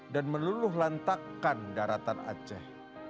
meluluh lantakkan daratan aceh